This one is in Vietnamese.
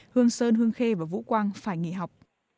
hương sơn hương khê và vũ quang phải nghỉ học